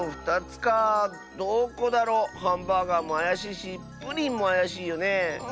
どこだろう？ハンバーガーもあやしいしプリンもあやしいよねえ。